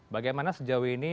bagaimana sejauh ini